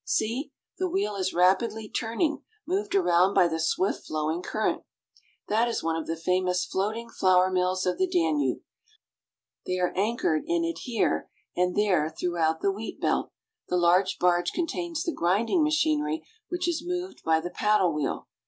See! the wheel is rapidly turning, moved around by the swift flowing current. That is one of the famous A Floating Flour Mill. floating flour mills of the Danube; they are anchored in it here and there throughout the wheat belt. The large barge contains the grinding machinery, which is moved by the paddle wheel.